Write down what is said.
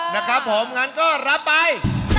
นะครับผมงั้นก็รับไป